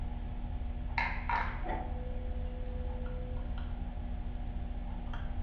Más tarde, Oscar Isaac y Woody Harrelson se unieron al grupo de actores.